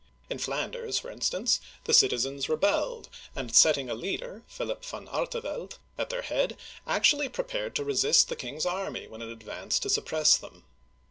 In Flanders, for in stance, the citizens rebelled, ^and setting a leader (Philip van Arteveld) at their head, actually prepared to resist the king's army when it advanced to suppress them.